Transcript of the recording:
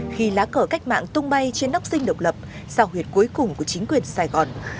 khi lá cờ cách mạng tung bay trên nóc rinh độc lập sao huyệt cuối cùng của chính quyền sài gòn